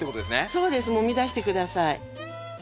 そうですもみ出して下さい。